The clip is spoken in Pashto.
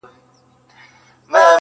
كړۍ ،كـړۍ لكه ځنځير ويـده دی.